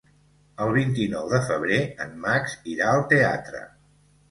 El vint-i-nou de febrer en Max irà al teatre.